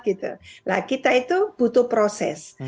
kita itu butuh proses